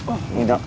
oh ini dong